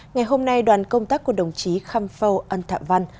ngày hôm nay đoàn công tác của đồng chí khăm phâu ân thạm văn